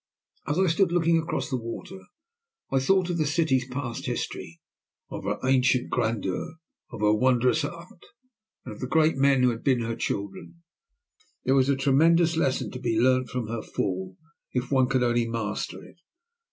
As I stood looking across the water, I thought of the city's past history, of her ancient grandeur, of her wondrous art, and of the great men who had been her children. There was a tremendous lesson to be learnt from her Fall if one could only master it.